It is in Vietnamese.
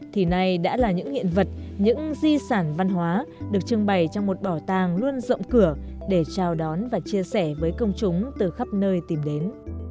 thì nay đã là những hiện vật những di sản văn hóa được trưng bày trong một bảo tàng luôn rộng cửa để chào đón và chia sẻ với công chúng từ khắp nơi tìm đến